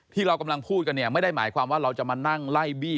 ที่เรากำลังพูดกันเนี่ยไม่ได้หมายความว่าเราจะมานั่งไล่บี้